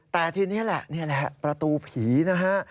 แต่ทีนี้แหละนี่แหละประตูผีนะฮะ